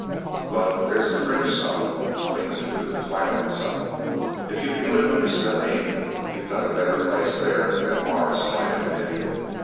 But there's the fringe zone between the two the Twilight Zone. If you can live under stellene, you've got a better place there than Mars might have been.